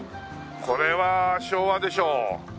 これは昭和でしょう。